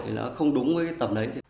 thì nó không đúng với tầm đấy